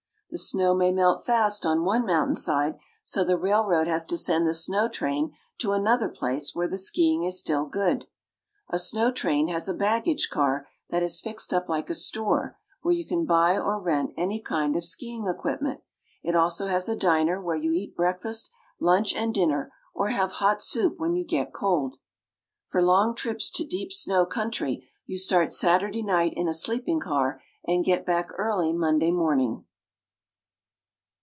The snow may melt fast on one mountainside, so the railroad has to send the snow train to another place where the skiing is still good. A snow train has a baggage car that is fixed up like a store where you can buy or rent any kind of skiing equipment. It also has a diner where you eat breakfast, lunch and dinner or have hot soup when you get cold. For long trips to deep snow country, you start Saturday night in a sleeping car and get back early Monday morning.